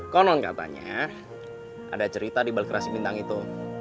konon katanya ada cerita di balik rasi bintang itu